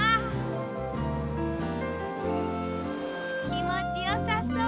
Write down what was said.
きもちよさそう。